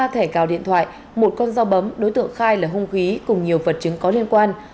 ba thẻ cào điện thoại một con dao bấm đối tượng khai là hung khí cùng nhiều vật chứng có liên quan